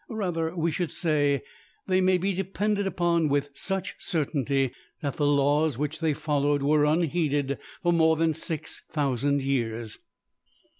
Rather, we should say, they may be depended upon with such certainty that the laws which they followed were unheeded for more than six thousand years.